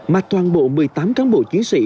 mà toàn bộ một mươi tám cán bộ chiến sĩ